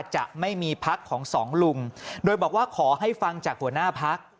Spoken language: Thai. จะไม่มีพักของสองลุงโดยบอกว่าขอให้ฟังจากหัวหน้าพัก